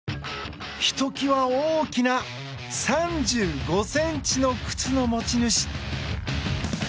ひときわ大きな３５ｃｍの靴の持ち主。